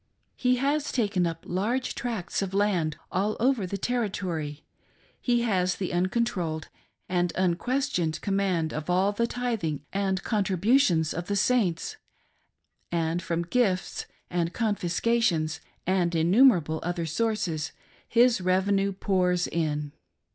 He has taken up large tracts of land all over the Territory, he has the uncontrolled and unques tioned command of all the tithing and contributions of the Saints, and from gifts and confiscations, and innumerable other sources, his revenue pours in.